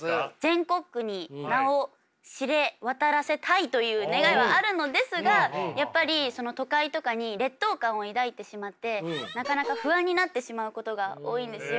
全国区に名を知れ渡らせたいという願いはあるのですがやっぱりその都会とかに劣等感を抱いてしまってなかなか不安になってしまうことが多いんですよ。